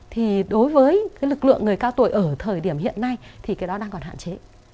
thì đối với cái lực lượng người cao tuổi ở thời điểm hiện nay thì cái đó đang còn hạn chế